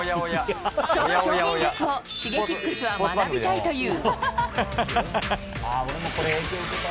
その表現力をＳｈｉｇｅｋｉｘは学びたいという。